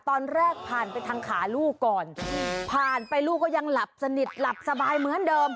ตอนแรกผ่านไปทางขาลูกก่อนผ่านไปลูกก็ยังหลับสนิทหลับสบายเหมือนเดิม